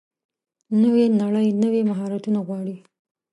نوې نړۍ نوي مهارتونه غواړي.